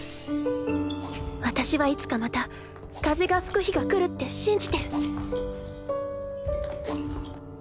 私はいつかまた風が吹く日が来るって信じてる